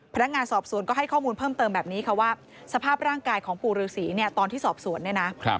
พนักงานสอบสวนก็ให้ข้อมูลเพิ่มเติมแบบนี้ค่ะว่าสภาพร่างกายของปู่ฤษีเนี่ยตอนที่สอบสวนเนี่ยนะ